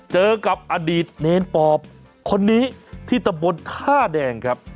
เจอกับอดีตเนรปอบคนนี้ที่ตะบนท่าแดงครับ